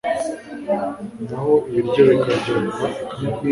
naho ibiryo bikaryohera akanwa